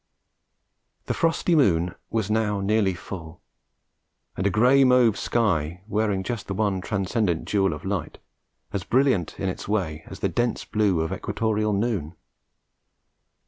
The frosty moon was now nearly full, and a grey mauve sky, wearing just the one transcendent jewel of light, as brilliant in its way as the dense blue of equatorial noon.